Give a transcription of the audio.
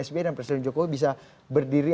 sba dan presiden joko bisa berdiri